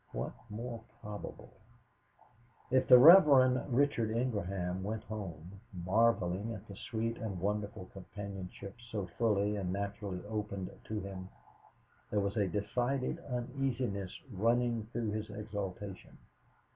What more probable?" If the Reverend Richard Ingraham went home, marveling at the sweet and wonderful companionship so fully and naturally opened to him, there was a decided uneasiness running through his exaltation.